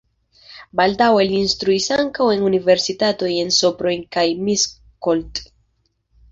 Baldaŭe li instruis ankaŭ en universitatoj en Sopron kaj Miskolc.